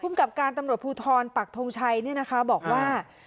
กับการตำรวจภูทรปักทงชัยบอกว่า